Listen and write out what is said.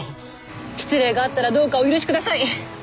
失礼があったらどうかお許しください！